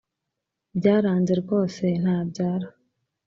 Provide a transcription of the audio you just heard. byaranze rwose ntabyara